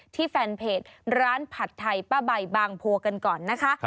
แฟนเพจร้านผัดไทยป้าใบบางโพกันก่อนนะคะ